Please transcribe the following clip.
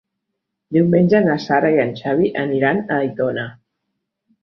Diumenge na Sara i en Xavi aniran a Aitona.